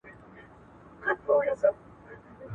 خپل بدن ته پام وکړئ.